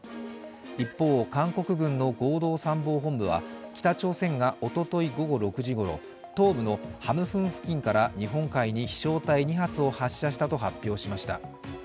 一方、韓国軍の合同参謀本部は北朝鮮がおととい午後６時ごろ、東部のハムフン付近から日本海に飛翔体２発を発射したと発表しました。